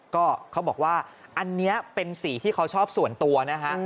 ก็เขาบอกว่าอันนี้เป็นสีที่เขาชอบส่วนตัวนะฮะ